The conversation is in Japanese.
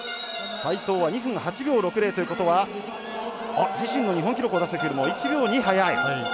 齋藤は２分８秒６０ということは自身の日本記録を出したときよりも１秒２速い。